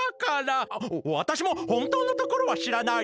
わたしもほんとうのところはしらないのよ。